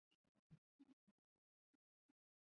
秦哀平帝苻丕氐族人。